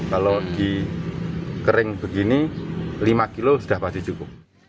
kalau dikering begini lima kilo sudah pasti cukup